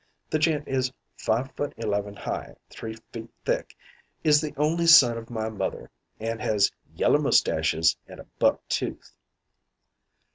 The gent is five foot eleven high, three feet thick, is the only son of my mother, an' has yeller mustaches and a buck tooth.'